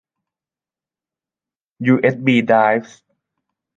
ยูเอสบีไดรฟ์